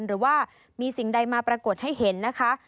หรือว่ามีสิ่งใดมาปรากฏให้เห็นนะคะ